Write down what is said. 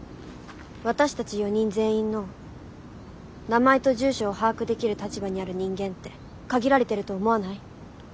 私たち４人全員の名前と住所を把握できる立場にある人間って限られてると思わない？